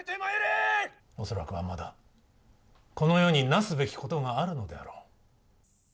恐らくはまだ、この世に成すべきことがあるのであろう。